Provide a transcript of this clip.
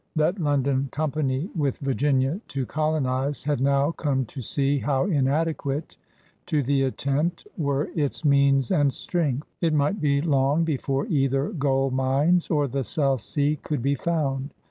That London Company with Virginia to colonize had now come to see how inadequate to the attempt were its means and strength. Evidently it might be long before either gold mines or the South Sea could be found.